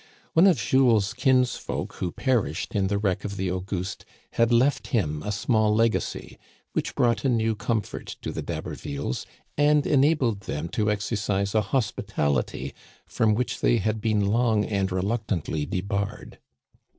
One of Jules's kinsfolk who perished in the wreck of the Auguste had left him a small legacy, which brought a new comfort to the D'Habervilles, and enabled them to exercise a hos pitality from which they had been long and reluctantly debarred.